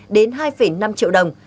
đến hai năm triệu đồng